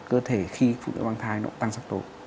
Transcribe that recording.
cơ thể khi phụ nữ mang thai nó tăng sắc tố